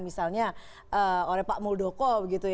misalnya oleh pak muldoko